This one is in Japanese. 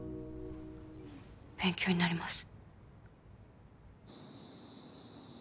勉強になります。